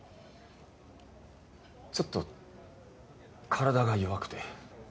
ちょっと体が弱くて。